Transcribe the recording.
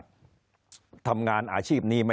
คนในวงการสื่อ๓๐องค์กร